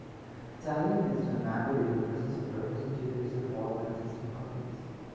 Tallying is done manually in the presence of representatives of all contesting parties.